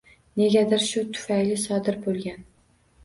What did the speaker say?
Negadir shu tufayli sodir bo’lgan.